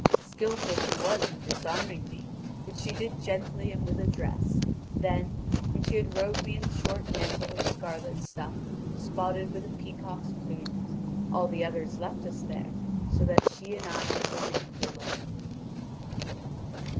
Skilful she was in disarming me, which she did gently and with address; then, when she had robed me in a short mantle of scarlet stuff spotted with a peacock's plumes, all the others left us there, so that she and I remained alone.